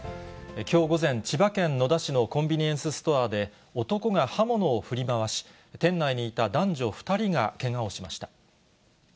きょう午前、千葉県野田市のコンビニエンスストアで、男が刃物を振り回し、店内にいた男女２人がけがをしました。